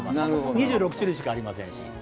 ２６種類しかありませんし。